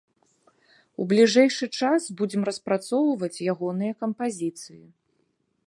У бліжэйшы час будзем распрацоўваць ягоныя кампазіцыі.